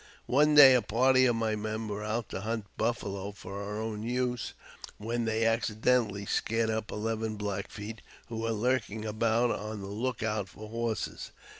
309 One day a party of my men were out to hunt baffalo for our own use, when they accidentally scared up eleven Black Feet, who were lurking about on the look out for horses.